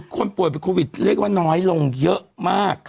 คนป่วยเป็นโควิดเรียกว่าน้อยลงเยอะมาก